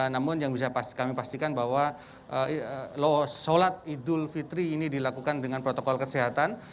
namun yang bisa kami pastikan bahwa sholat idul fitri ini dilakukan dengan protokol kesehatan